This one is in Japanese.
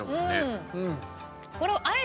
うん。